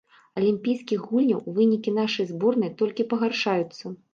Алімпійскіх гульняў, вынікі нашай зборнай толькі пагаршаюцца.